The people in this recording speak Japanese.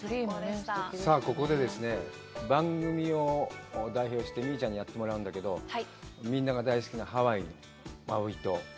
さあ、ここで、番組を代表してＭｉｙｕｕちゃんにやってもらうんだけど、みんなの大好きなマウイ島。